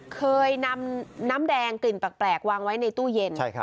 เคยนำน้ำแดงกลิ่นแปลกวางไว้ในตู้เย็น